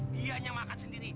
dia yang makan sendiri